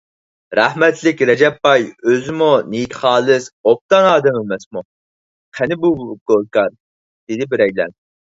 رەھمەتلىك رەجەپ باي ئۆزىمۇ نىيىتى خالىس، ئوبدان ئادەم ئەمەسمۇ!... قېنى بۇ گۆركار؟ _ دېدى بىرەيلەن.